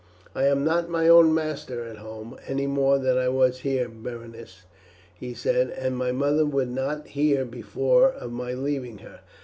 "I am not my own master at home, any more than I was here, Berenice," he said, "and my mother would not hear before of my leaving her.